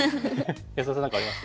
安田さん何かあります？